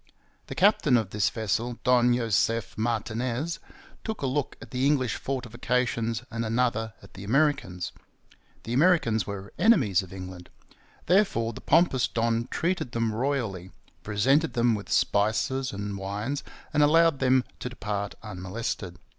The captain of this vessel, Don Joseph Martinez, took a look at the English fortifications and another at the Americans. The Americans were enemies of England. Therefore the pompous don treated them royally, presented them with spices and wines, and allowed them to depart unmolested.